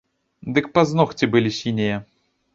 Дык пазногці былі сінія.